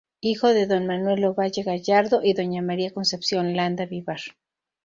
Hijo de don "Manuel Ovalle Gallardo" y doña "María Concepción Landa Vivar".